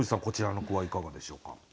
こちらの句はいかがでしょうか？